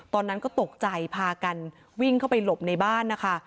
ตอนนั้นก็ตกใจพากันวิ่งเข้าไปหลบในบ้านนะคะ